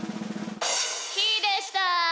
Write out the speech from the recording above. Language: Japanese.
ひーでした！